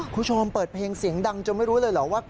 คุณผู้ชมเปิดเพลงเสียงดังจนไม่รู้เลยเหรอว่า